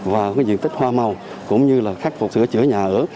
và cái diện tích hoa màu cũng như là khắc phục sửa chữa nhà ở